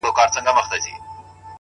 گراني رڼا مه كوه مړ به مي كړې؛